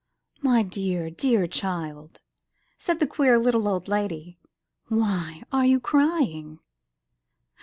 ''My dear, dear child," said the queer little old lady, "why are you crying?''